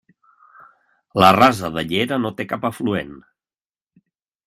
La Rasa de Llera no té cap afluent.